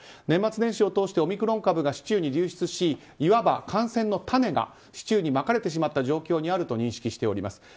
年末年始を通してオミクロン株が市中に流出しいわば感染の種が市中にまかれてしまった状況にあると認識しております。